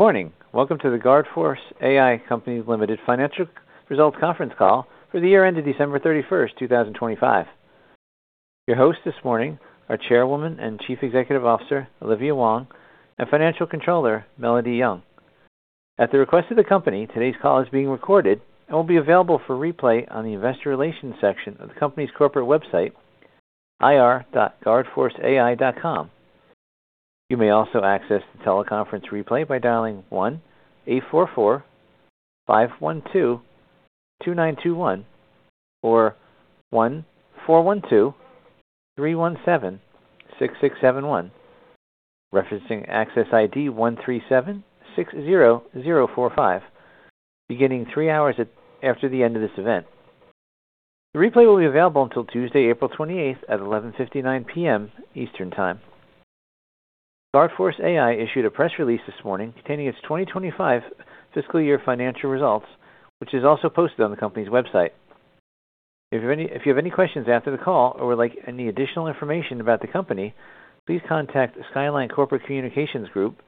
Good morning. Welcome to the Guardforce AI Co., Limited financial results conference call for the year ended December 31st, 2025. Your hosts this morning are Chairwoman and Chief Executive Officer, Olivia Wang, and Financial Controller, Melody Yang. At the request of the company, today's call is being recorded and will be available for replay on the investor relations section of the company's corporate website, ir.guardforceai.com. You may also access the teleconference replay by dialing 1-844-512-2921 or 1-412-317-6671, referencing access ID 13760045, beginning three hours after the end of this event. The replay will be available until Tuesday, April 28th at 11:59 P.M. Eastern Time. Guardforce AI issued a press release this morning containing its 2025 fiscal year financial results, which is also posted on the company's website. If you have any questions after the call or would like any additional information about the company, please contact Skyline Corporate Communications Group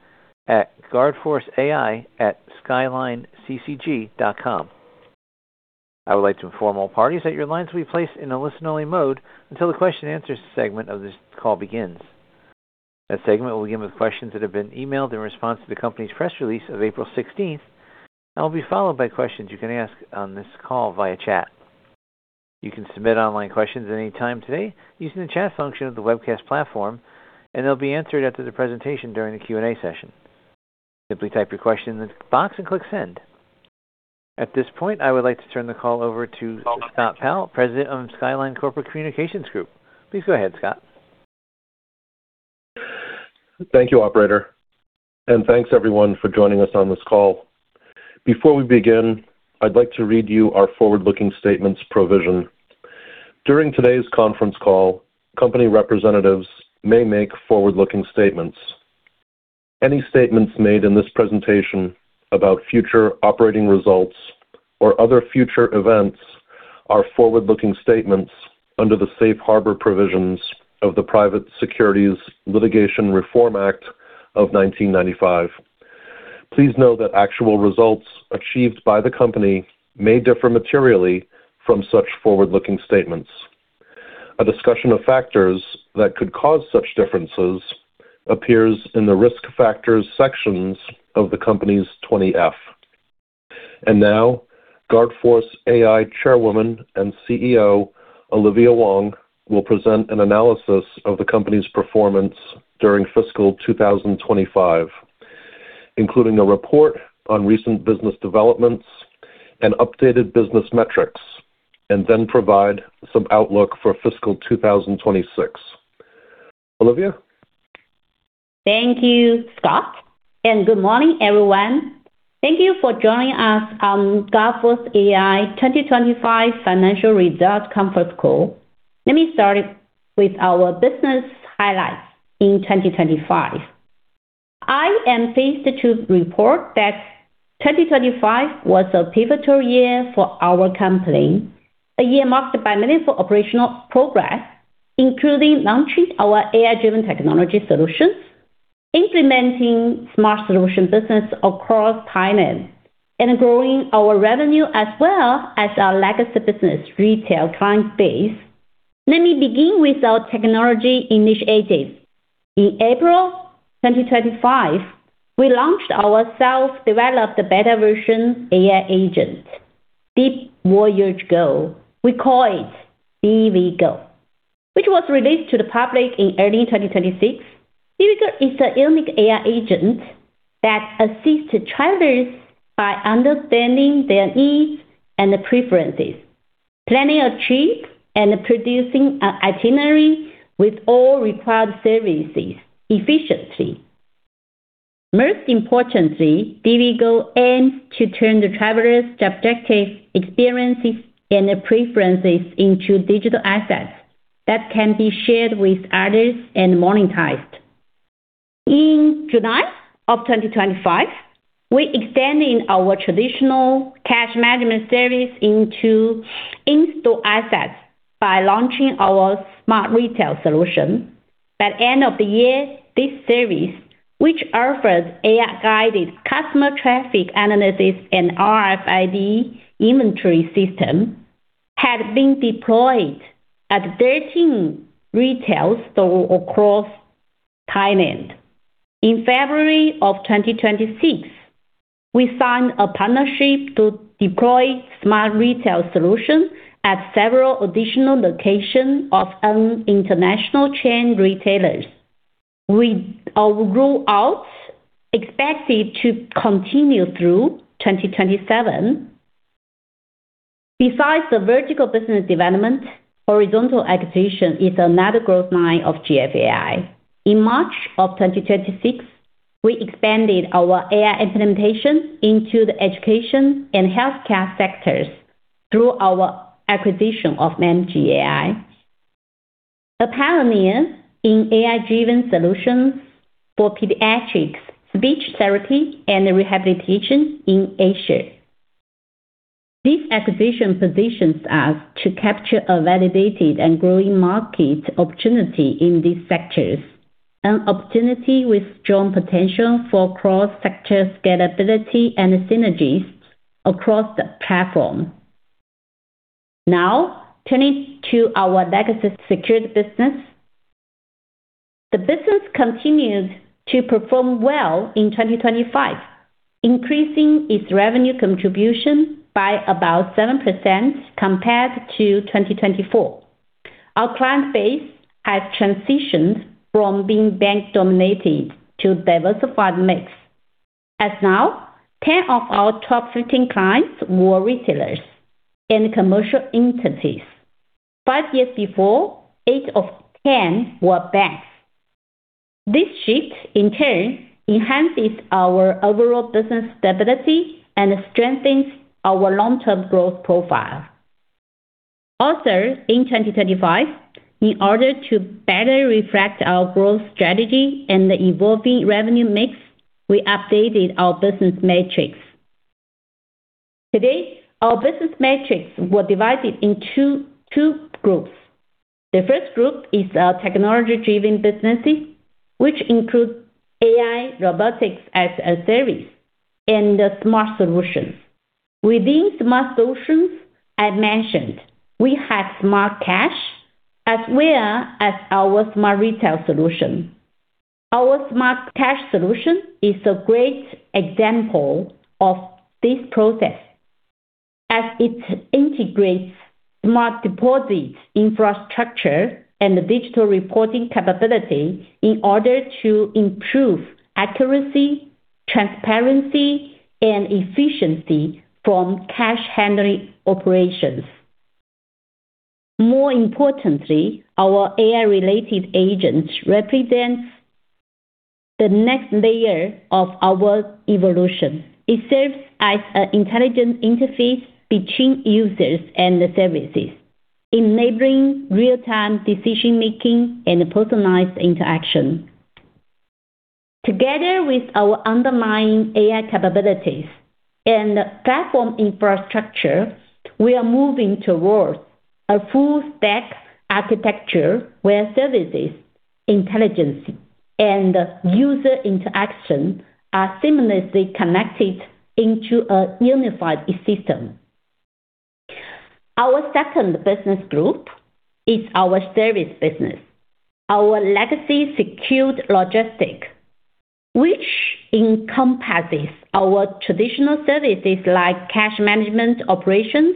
at guardforceai@skylineccg.com. I would like to inform all parties that your lines will be placed in a listen-only mode until the question answers segment of this call begins. That segment will begin with questions that have been emailed in response to the company's press release of April 16th, and will be followed by questions you can ask on this call via chat. You can submit online questions at any time today using the chat function of the webcast platform, and they'll be answered after the presentation during the Q&A session. Simply type your question in the box and click send. At this point, I would like to turn the call over to Scott Powell, President of Skyline Corporate Communications Group. Please go ahead, Scott. Thank you, operator, and thanks everyone for joining us on this call. Before we begin, I'd like to read you our forward-looking statements provision. During today's conference call, company representatives may make forward-looking statements. Any statements made in this presentation about future operating results or other future events are forward-looking statements under the Safe Harbor provisions of the Private Securities Litigation Reform Act of 1995. Please note that actual results achieved by the company may differ materially from such forward-looking statements. A discussion of factors that could cause such differences appears in the Risk Factors sections of the company's 20F. Now, Guardforce AI Chairwoman and CEO, Olivia Wang, will present an analysis of the company's performance during fiscal 2025, including a report on recent business developments and updated business metrics, and then provide some outlook for fiscal 2026. Olivia? Thank you, Scott, and good morning, everyone. Thank you for joining us on Guardforce AI 2025 financial results conference call. Let me start with our business highlights in 2025. I am pleased to report that 2025 was a pivotal year for our company, a year marked by meaningful operational progress, including launching our AI-driven technology solutions, implementing smart solution business across Thailand, and growing our revenue as well as our legacy business retail client base. Let me begin with our technology initiatives. In April 2025, we launched our self-developed beta version AI agent, DeepVoyage Go. We call it DVGo, which was released to the public in early 2026. DVGo is a unique AI agent that assists travelers by understanding their needs and preferences, planning a trip, and producing an itinerary with all required services efficiently. Most importantly, DVGo aims to turn the traveler's subjective experiences and preferences into digital assets that can be shared with others and monetized. In July of 2025, we extended our traditional cash management service into in-store assets by launching our smart retail solution. By the end of the year, this service, which offers AI-guided customer traffic analysis and RFID inventory system, had been deployed at 13 retail stores across Thailand. In February of 2026, we signed a partnership to deploy smart retail solution at several additional locations of an international chain retailers. Our rollout's expected to continue through 2027. Besides the vertical business development, horizontal acquisition is another growth line of GFAI. In March of 2026, we expanded our AI implementation into the education and healthcare sectors through our acquisition of MGAI Limited, a pioneer in AI-driven solutions for pediatrics, speech therapy and rehabilitation in Asia. This acquisition positions us to capture a validated and growing market opportunity in these sectors, an opportunity with strong potential for cross-sector scalability and synergies across the platform. Now, turning to our legacy secured business. The business continued to perform well in 2025, increasing its revenue contribution by about 7% compared to 2024. Our client base has transitioned from being bank-dominated to diversified mix. As of now, 10 of our top 15 clients were retailers and commercial entities. Five years before, eight of 10 were banks. This shift, in turn, enhances our overall business stability and strengthens our long-term growth profile. Also, in 2025, in order to better reflect our growth strategy and the evolving revenue mix, we updated our business metrics. Today, our business metrics were divided into two groups. The first group is our technology-driven businesses, which include AI robotics as a service and smart solutions. Within smart solutions, I mentioned we have Smart Cash as well as our smart retail solution. Our Smart Cash Solution is a great example of this process, as it integrates smart deposit infrastructure and digital reporting capability in order to improve accuracy, transparency, and efficiency from cash handling operations. More importantly, our AI-related agents represent the next layer of our evolution. It serves as an intelligent interface between users and the services, enabling real-time decision-making and personalized interaction. Together with our underlying AI capabilities and platform infrastructure, we are moving towards a full stack architecture where services, intelligence, and user interaction are seamlessly connected into a unified system. Our second business group is our service business. Our legacy secured logistics, which encompasses our traditional services like cash management operations,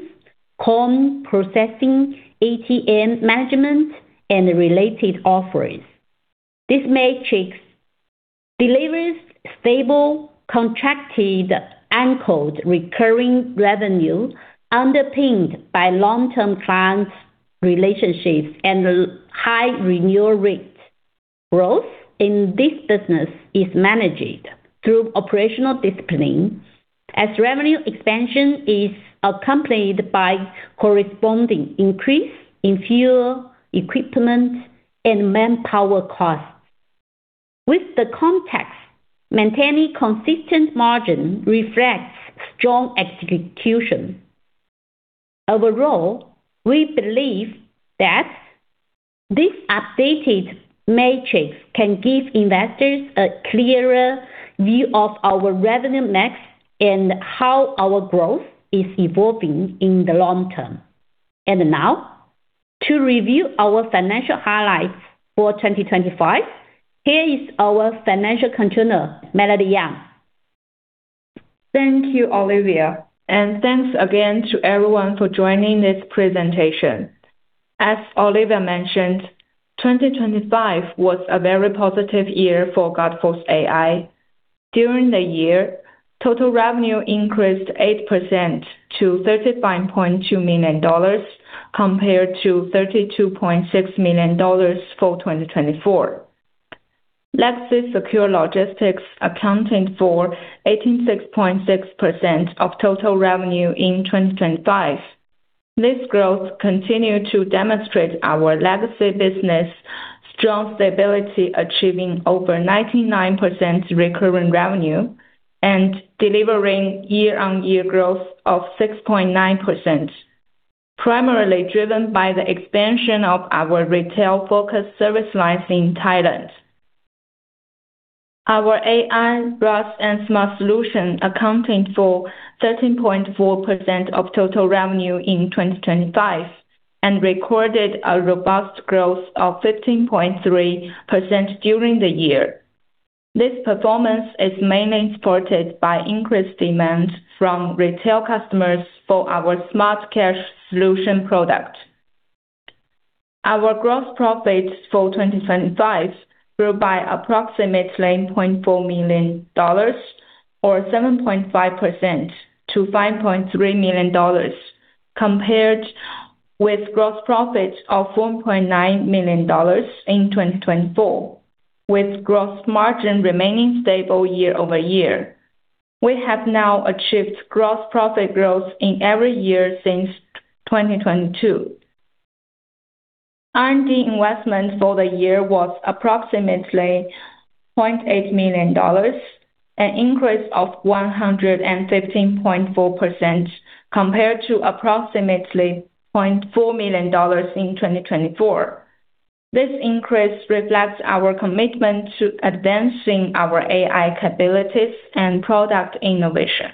coin processing, ATM management, and related offerings. This matrix delivers stable, contracted, and recurring revenue underpinned by long-term client relationships and high renewal rates. Growth in this business is managed through operational discipline, as revenue expansion is accompanied by corresponding increase in fuel, equipment, and manpower costs. In this context, maintaining consistent margin reflects strong execution. Overall, we believe that this updated matrix can give investors a clearer view of our revenue mix and how our growth is evolving in the long term. Now to review our financial highlights for 2025, here is our Financial Controller, Melody Yang. Thank you, Olivia, and thanks again to everyone for joining this presentation. As Olivia mentioned, 2025 was a very positive year for Guardforce AI. During the year, total revenue increased 8% to $35.2 million compared to $32.6 million for 2024. Legacy secure logistics accounted for 86.6% of total revenue in 2025. This growth continued to demonstrate our legacy business strong stability, achieving over 99% recurring revenue and delivering year-on-year growth of 6.9%, primarily driven by the expansion of our retail-focused service lines in Thailand. Our AI, robotics and smart solution accounted for 13.4% of total revenue in 2025 and recorded a robust growth of 15.3% during the year. This performance is mainly supported by increased demand from retail customers for our Smart Cash Solution product. Our gross profits for 2025 grew by approximately $9.4 million, or 7.5%, to $5.3 million, compared with gross profits of $4.9 million in 2024, with gross margin remaining stable year-over-year. We have now achieved gross profit growth in every year since 2022. R&D investment for the year was approximately $0.8 million, an increase of 115.4% compared to approximately $0.4 million in 2024. This increase reflects our commitment to advancing our AI capabilities and product innovation.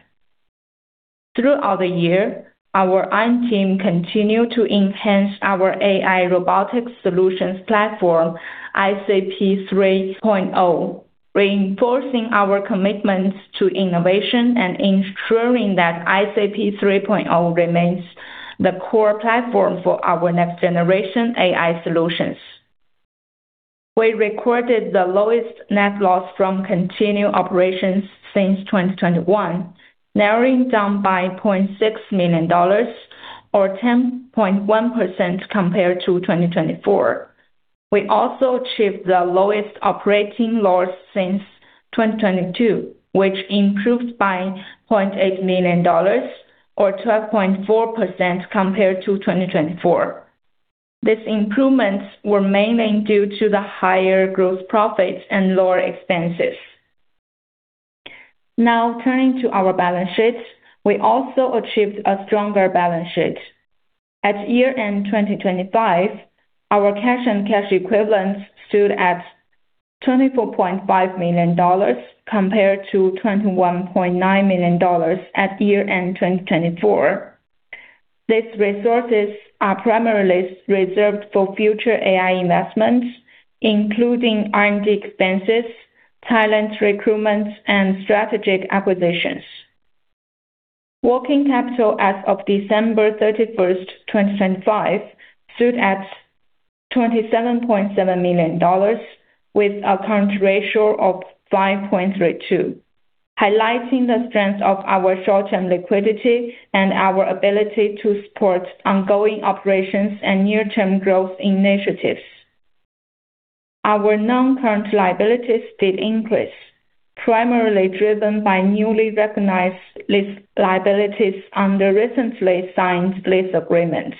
Throughout the year, our R&D team continued to enhance our AI robotic solutions platform, ICP 3.0, reinforcing our commitments to innovation and ensuring that ICP 3.0 remains the core platform for our next generation AI solutions. We recorded the lowest net loss from continued operations since 2021, narrowing down by $0.6 million, or 10.1% compared to 2024. We also achieved the lowest operating loss since 2022, which improved by $0.8 million or 12.4% compared to 2024. These improvements were mainly due to the higher gross profits and lower expenses. Now turning to our balance sheet. We also achieved a stronger balance sheet. At year-end 2025, our cash and cash equivalents stood at $24.5 million, compared to $21.9 million at year-end 2024. These resources are primarily reserved for future AI investments, including R&D expenses, talent recruitment, and strategic acquisitions. Working capital as of December 31st, 2025, stood at $27.7 million, with a current ratio of 5.32, highlighting the strength of our short-term liquidity and our ability to support ongoing operations and near-term growth initiatives. Our non-current liabilities did increase, primarily driven by newly recognized lease liabilities on the recently signed lease agreements.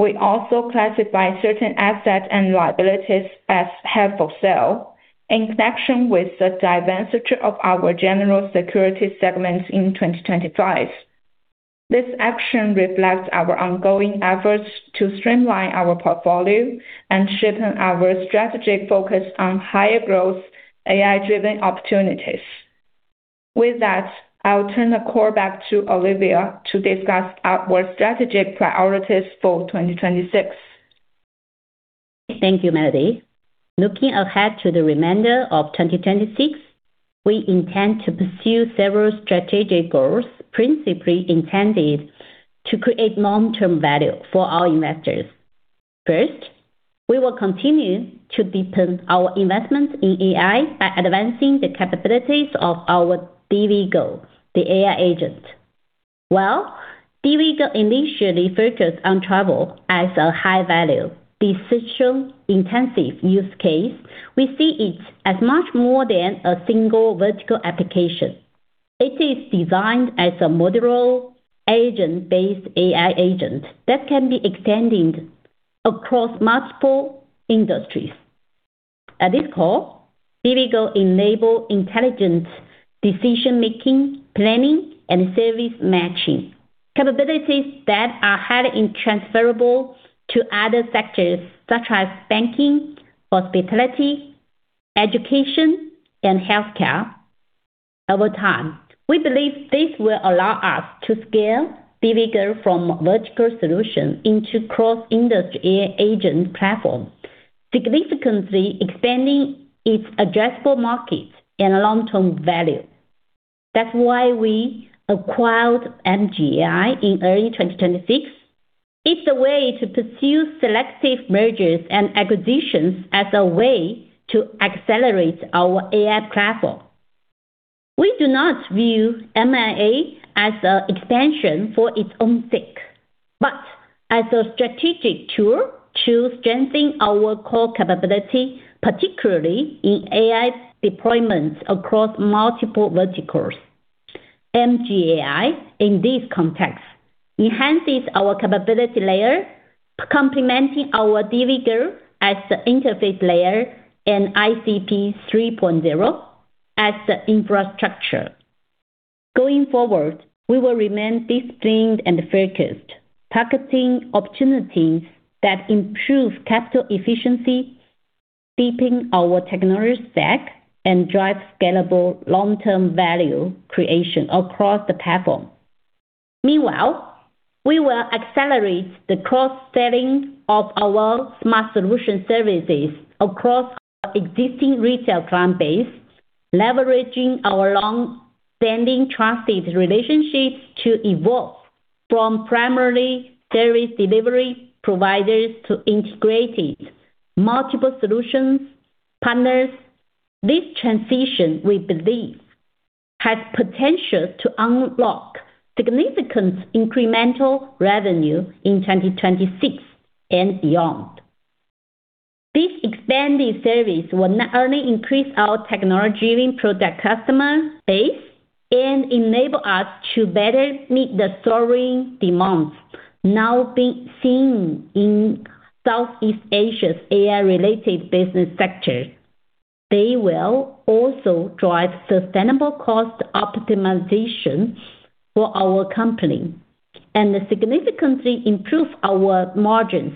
We also classified certain assets and liabilities as held for sale in connection with the divestiture of our general security segment in 2025. This action reflects our ongoing efforts to streamline our portfolio and sharpen our strategic focus on higher growth, AI-driven opportunities. With that, I will turn the call back to Olivia to discuss our strategic priorities for 2026. Thank you, Melody. Looking ahead to the remainder of 2026, we intend to pursue several strategic goals principally intended to create long-term value for our investors. First, we will continue to deepen our investment in AI by advancing the capabilities of our DVGo, the AI agent. While DVGo initially focused on travel as a high-value, decision-intensive use case, we see it as much more than a single vertical application. It is designed as a modular agent-based AI agent that can be extended across multiple industries. At its core, DVGo enables intelligent decision-making, planning, and service matching, capabilities that are highly transferable to other sectors such as banking, hospitality, education, and healthcare. Over time, we believe this will allow us to scale DVGo from a vertical solution into cross-industry agent platform, significantly expanding its addressable market and long-term value. That's why we acquired MGAI in early 2026. It's a way to pursue selective mergers and acquisitions as a way to accelerate our AI platform. We do not view M&A as an expansion for its own sake, but as a strategic tool to strengthen our core capability, particularly in AI deployments across multiple verticals. MGAI, in this context, enhances our capability layer, complementing our DVGo as the interface layer and ICP 3.0 as the infrastructure. Going forward, we will remain disciplined and focused, targeting opportunities that improve capital efficiency, deepen our technology stack, and drive scalable long-term value creation across the platform. Meanwhile, we will accelerate the cross-selling of our smart solution services across our existing retail client base, leveraging our long-standing trusted relationships to evolve from primarily service delivery providers to integrated multiple solutions partners. This transition, we believe, has potential to unlock significant incremental revenue in 2026 and beyond. Expanding service will not only increase our technology product customer base and enable us to better meet the soaring demands now being seen in Southeast Asia's AI-related business sector. They will also drive sustainable cost optimization for our company and significantly improve our margins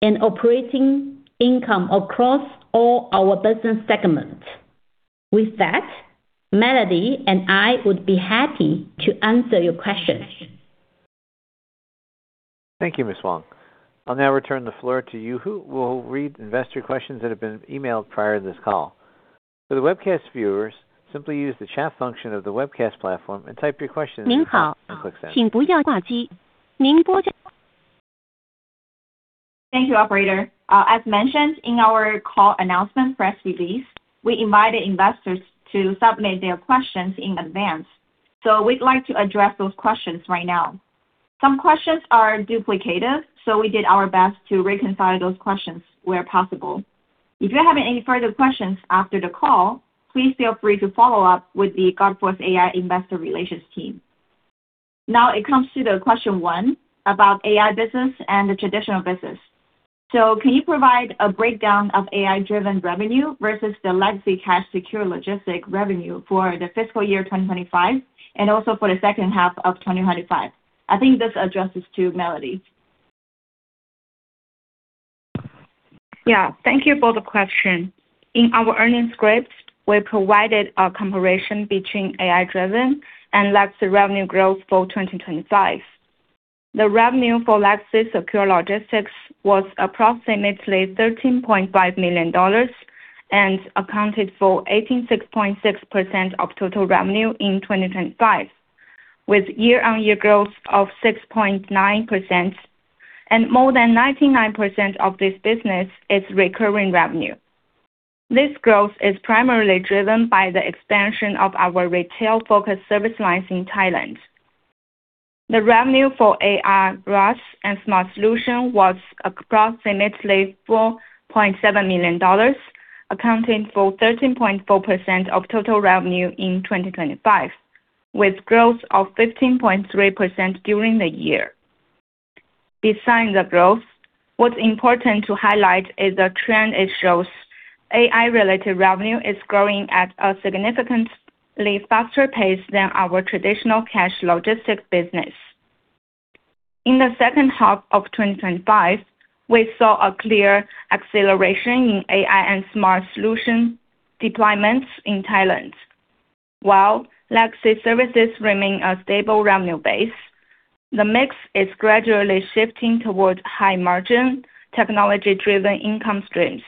and operating income across all our business segments. With that, Melody and I would be happy to answer your questions. Thank you, Ms. Wang. I'll now return the floor to Hu Yu, who will read investor questions that have been emailed prior to this call. For the webcast viewers, simply use the chat function of the webcast platform and type your questions and click send. Thank you, operator. As mentioned in our call announcement for SVBs, we invited investors to submit their questions in advance. We'd like to address those questions right now. Some questions are duplicative, so we did our best to reconcile those questions where possible. If you have any further questions after the call, please feel free to follow up with the Guardforce AI investor relations team. Now it comes to question one about AI business and the traditional business. Can you provide a breakdown of AI-driven revenue versus the legacy cash-secure logistics revenue for the fiscal year 2025 and also for the second half of 2025? I think this addresses to Melody. Yeah. Thank you for the question. In our earnings script, we provided a comparison between AI-driven and legacy revenue growth for 2025. The revenue for legacy secure logistics was approximately $13.5 million and accounted for 86.6% of total revenue in 2025, with year-on-year growth of 6.9% and more than 99% of this business is recurring revenue. This growth is primarily driven by the expansion of our retail-focused service lines in Thailand. The revenue for AI, RaaS, and smart solution was approximately $4.7 million, accounting for 13.4% of total revenue in 2025, with growth of 15.3% during the year. Besides the growth, what's important to highlight is the trend it shows. AI-related revenue is growing at a significantly faster pace than our traditional cash logistics business. In the second half of 2025, we saw a clear acceleration in AI and smart solution deployments in Thailand. While legacy services remain a stable revenue base, the mix is gradually shifting towards high-margin, technology-driven income streams.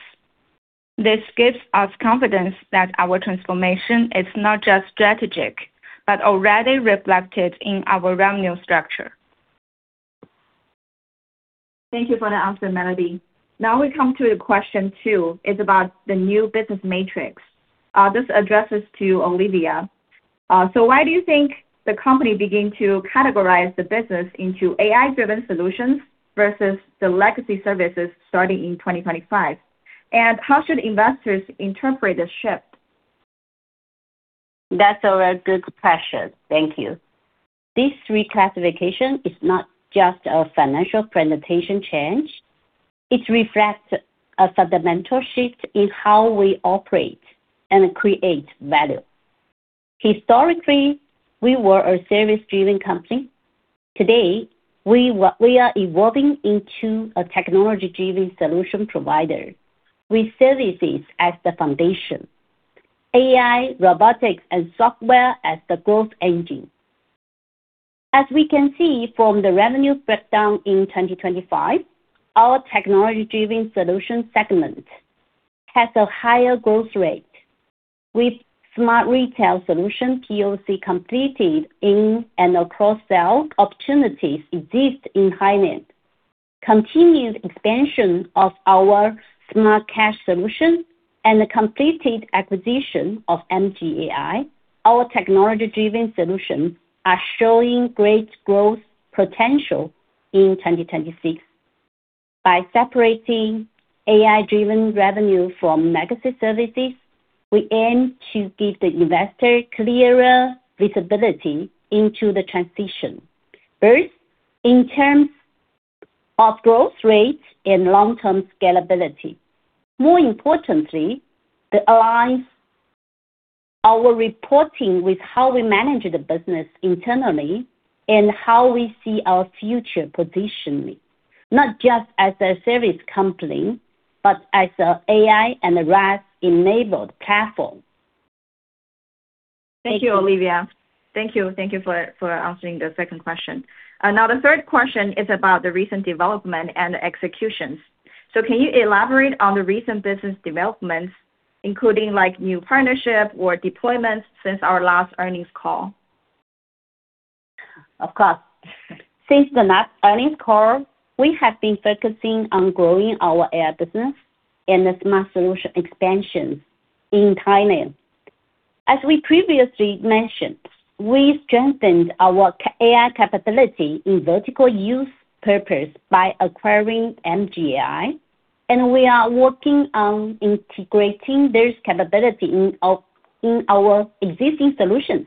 This gives us confidence that our transformation is not just strategic, but already reflected in our revenue structure. Thank you for the answer, Melody. Now we come to the question two is about the new business matrix. This is addressed to Olivia. Why do you think the company began to categorize the business into AI-driven solutions versus the legacy services starting in 2025? And how should investors interpret the shift? That's a good question. Thank you. This reclassification is not just a financial presentation change. It reflects a fundamental shift in how we operate and create value. Historically, we were a service-driven company. Today, we are evolving into a technology-driven solution provider with services as the foundation, AI, robotics, and software as the growth engine. As we can see from the revenue breakdown in 2025, our technology-driven solutions segment has a higher growth rate, with smart retail solution POC completed, and cross-sell opportunities exist in Thailand. Continued expansion of our Smart Cash Solution and the completed acquisition of MGAI, our technology-driven solutions are showing great growth potential in 2026. By separating AI-driven revenue from legacy services, we aim to give the investor clearer visibility into the transition, both in terms of growth rate and long-term scalability. More importantly, that aligns our reporting with how we manage the business internally and how we see our future positioned, not just as a service company, but as an AI and a RaaS-enabled platform. Thank you, Olivia. Thank you for answering the second question. Now, the third question is about the recent development and executions. Can you elaborate on the recent business developments, including new partnership or deployments since our last earnings call? Of course. Since the last earnings call, we have been focusing on growing our AI business and the smart solution expansions in Thailand. As we previously mentioned, we strengthened our AI capability in vertical use purpose by acquiring MGAI, and we are working on integrating this capability in our existing solutions.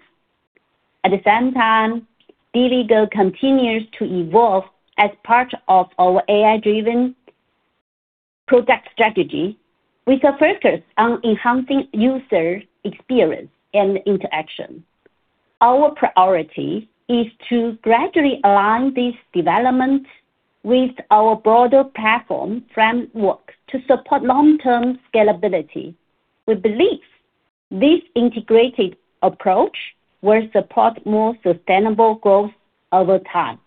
At the same time, DVGo continues to evolve as part of our AI-driven product strategy, with a focus on enhancing user experience and interaction. Our priority is to gradually align this development with our broader platform framework to support long-term scalability. We believe this integrated approach will support more sustainable growth over time.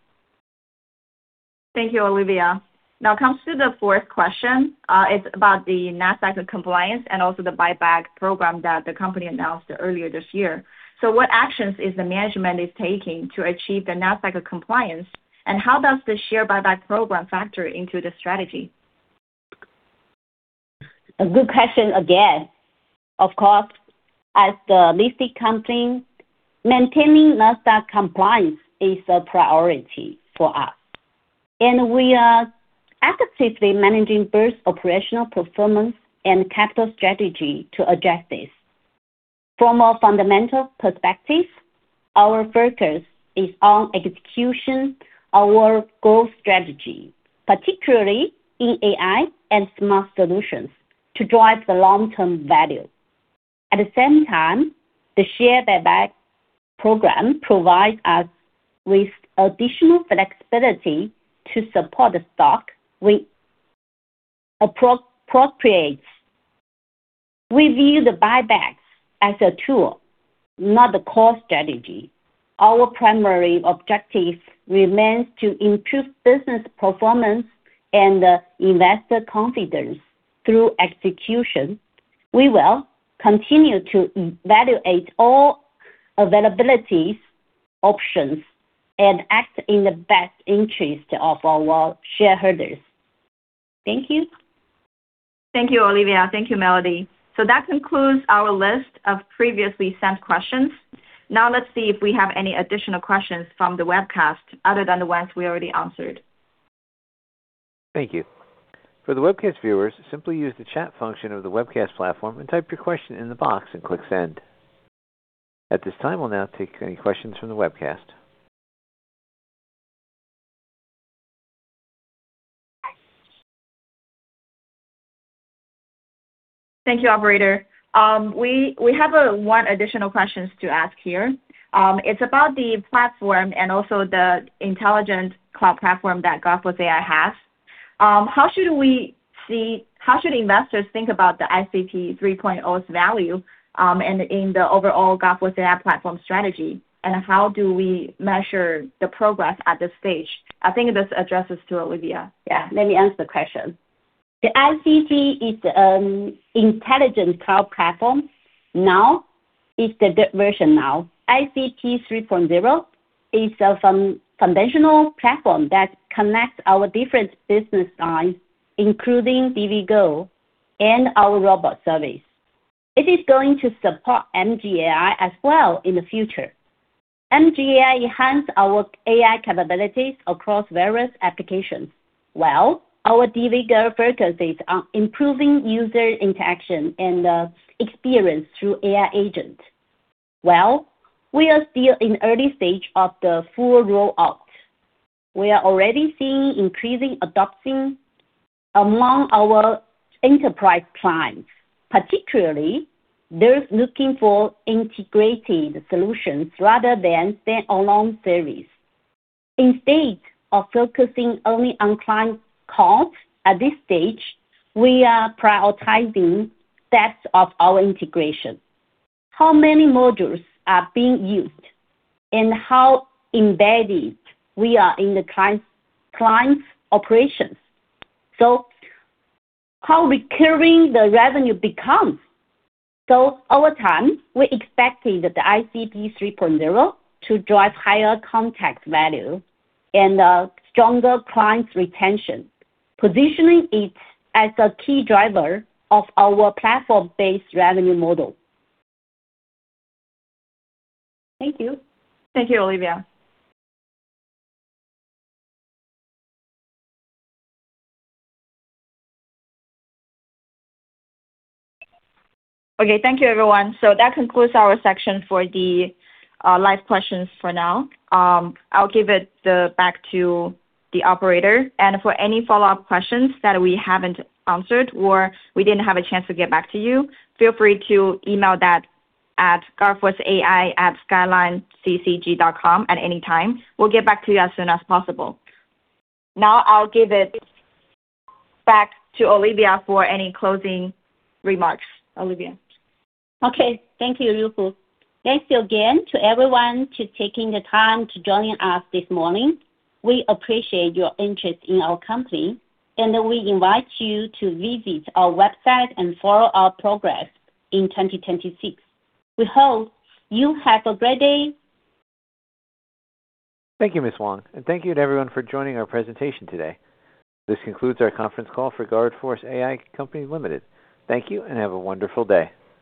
Thank you, Olivia. Now, coming to the fourth question. It's about the NASDAQ compliance and also the buyback program that the company announced earlier this year. What actions is the management taking to achieve the NASDAQ compliance, and how does the share buyback program factor into the strategy? A good question again. Of course, as the listed company, maintaining NASDAQ compliance is a priority for us, and we are actively managing both operational performance and capital strategy to address this. From a fundamental perspective, our focus is on executing our growth strategy, particularly in AI and smart solutions, to drive the long-term value. At the same time, the share buyback program provides us with additional flexibility to support the stock when appropriate. We view the buybacks as a tool, not the core strategy. Our primary objective remains to improve business performance and investor confidence through execution. We will continue to evaluate all available options and act in the best interest of our shareholders. Thank you. Thank you, Olivia. Thank you, Melody. That concludes our list of previously sent questions. Now, let's see if we have any additional questions from the webcast other than the ones we already answered. Thank you. For the webcast viewers, simply use the chat function of the webcast platform and type your question in the box and click send. At this time, we'll now take any questions from the webcast. Thank you, operator. We have one additional questions to ask here. It's about the platform and also the intelligent cloud platform that Guardforce AI has. How should investors think about the ICP 3.0's value, and in the overall Guardforce AI platform strategy, and how do we measure the progress at this stage? I think this addresses to Olivia. Yeah. Let me answer the question. The ICP is the Intelligent Cloud Platform. Now, it's the version now. ICP 3.0 is a conventional platform that connects our different business lines, including DVGo and our robot service. It is going to support MGAI as well in the future. MGAI enhance our AI capabilities across various applications, while our DVGo focuses on improving user interaction and experience through AI agent. Well, we are still in early stage of the full rollout. We are already seeing increasing adoption among our enterprise clients, particularly those looking for integrated solutions rather than stand-alone service. Instead of focusing only on client count, at this stage, we are prioritizing depth of our integration, how many modules are being used and how embedded we are in the client's operations, how recurring the revenue becomes. Over time, we're expecting that the ICP 3.0 to drive higher contact value and a stronger client retention, positioning it as a key driver of our platform-based revenue model. Thank you. Thank you, Olivia. Okay, thank you, everyone. That concludes our section for the live questions for now. I'll give it back to the operator, and for any follow-up questions that we haven't answered or we didn't have a chance to get back to you, feel free to email that at guardforceai@skylineccg.com at any time. We'll get back to you as soon as possible. Now, I'll give it back to Olivia for any closing remarks. Olivia. Okay. Thank you, Hu Yu. Thanks again to everyone for taking the time to join us this morning. We appreciate your interest in our company, and we invite you to visit our website and follow our progress in 2026. We hope you have a great day. Thank you, Ms. Wang, and thank you to everyone for joining our presentation today. This concludes our conference call for Guardforce AI Co., Limited. Thank you and have a wonderful day.